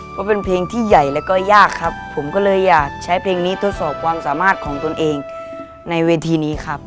เพราะเป็นเพลงที่ใหญ่แล้วก็ยากครับผมก็เลยอยากใช้เพลงนี้ทดสอบความสามารถของตนเองในเวทีนี้ครับ